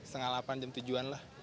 sengalapan jam tujuan lah